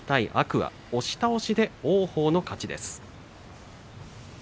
海、押し倒しで王鵬の勝ちです。